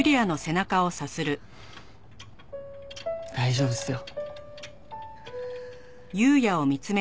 大丈夫っすよ。